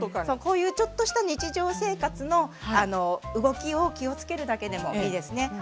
こういうちょっとした日常生活の動きを気を付けるだけでもいいですね。